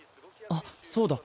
あっそうだ。